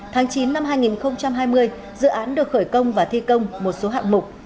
tháng chín năm hai nghìn hai mươi dự án được khởi công và thi công một số hạng mục